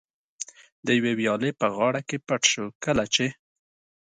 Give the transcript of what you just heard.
د یوې ویالې په غاړه کې پټ شو، کله چې.